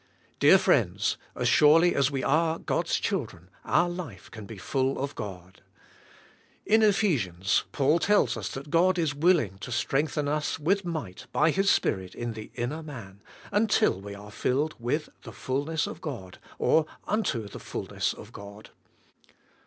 Dear friends, as surely as we ar.e God's children our life can be full of God. In Ephe sians, Paul tells us that God is willing to strengthen us with might by His Spirit in the inner man, until we are filled with the fullness of God or unto the fullness of God.